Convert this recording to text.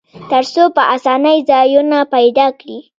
تر څو په آسانۍ ځایونه پیدا کړي.